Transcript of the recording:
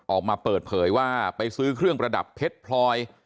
ออกมาเปิดเผยว่าไปซื้อเครื่องประดับเพชรพลอย